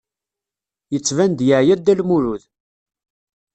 Yettban-d yeɛya Dda Lmulud.